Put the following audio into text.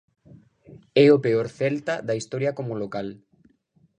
É o peor Celta da historia como local.